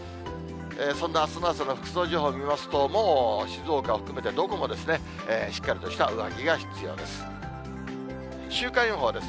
そんなあすの朝の服装情報見ますと、もう静岡を含めてどこもしっかりとした上着が必要です。